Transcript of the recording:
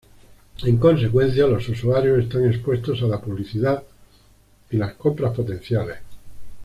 En consecuencia, los usuarios están expuestos a la publicidad y las compras potenciales.